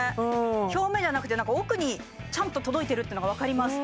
表面じゃなくて奥にちゃんと届いてるっていうのが分かります